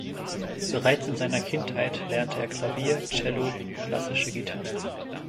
Bereits in seiner Kindheit lernte er Klavier, Cello und klassische Gitarre.